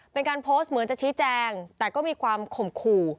เป็นการโพสต์เหมือนจะชี้แจงแต่ก็มีความข่มขู่